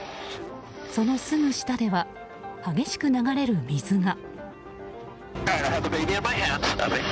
そのすぐ下では激しく流れる水が。